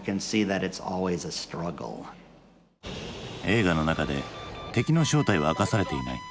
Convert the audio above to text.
映画の中で敵の正体は明かされていない。